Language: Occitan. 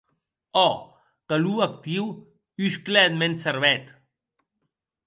Ò, calor actiu, uscla eth mèn cervèth!